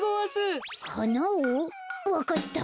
わかった。